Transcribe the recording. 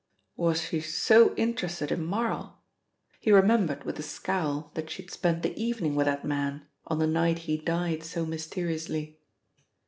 Was she so interested in Marl? He remembered with a scowl that she had spent the evening with that man on the night he died so mysteriously.